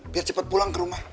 biar cepat pulang ke rumah